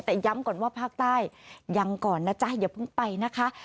แต่ย้ำก่อนว่าภาคใต้ยังก่อนนะจ๊ะอย่าเพิ่งไปนะคะ